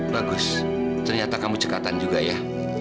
bagus ternyata kamu cekatan juga ya